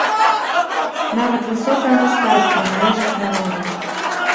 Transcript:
Нават высокае мастацтва належыць народу.